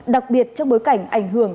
đặc biệt trong bối cảnh ảnh hưởng